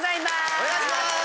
お願いします。